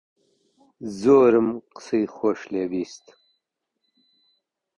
زۆرم قسەی خۆش لێ بیست